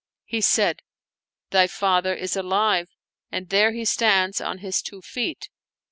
He said, "Thy father is alive and there he stands on his two feet."